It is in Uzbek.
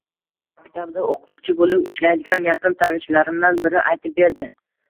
Maktabda o`qituvchi bo`lib ishlaydigan yaqin tanishlarimdan biri aytib berdi